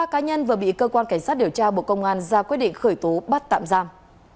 ba cá nhân vừa bị cơ quan cảnh sát điều tra bộ công an ra quyết định khởi tố bắt tạm giam